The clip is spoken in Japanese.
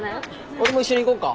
俺も一緒に行こっか？